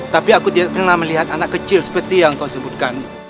tapi aku tidak pernah melihat anak kecil seperti yang kau sebutkan